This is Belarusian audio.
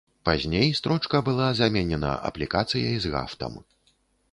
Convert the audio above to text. Пазней строчка была заменена аплікацыяй з гафтам.